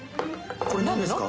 これ何ですか？